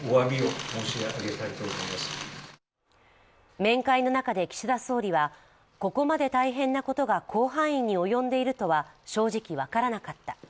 面会の中で岸田総理はここまで大変なことが広範囲に及んでいるとは正直分からなかった。